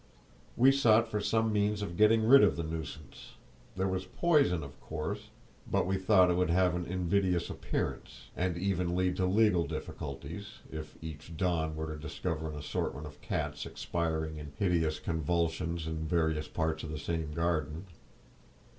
We sought for some means of getting rid of the nuisance: there was poison, of course; but we thought it would have an invidious appearance, and even lead to legal difficulties, if each dawn were to discover an assortment of cats expiring in hideous convulsions in various parts of the same garden.